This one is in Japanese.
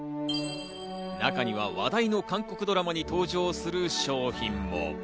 中には話題の韓国ドラマに登場する商品も。